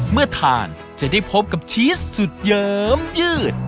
เมื่อทานจะได้พบกับชีสสุดเยิ้มยืด